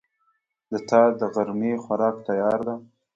د تا دغرمې خوراک تیار ده